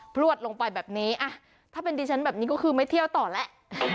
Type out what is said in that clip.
พลวดลงไปแบบนี้ถ้าเป็นดิฉันแบบนี้ก็คือไม่เที่ยวต่อแล้ว